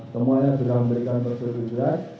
semuanya sudah memberikan persetujuan